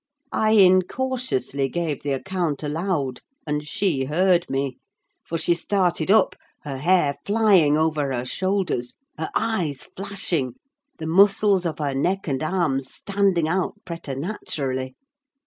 I incautiously gave the account aloud, and she heard me; for she started up—her hair flying over her shoulders, her eyes flashing, the muscles of her neck and arms standing out preternaturally.